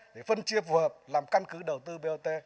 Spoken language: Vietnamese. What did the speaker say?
để phân chia phù hợp làm căn cứ đầu tư bot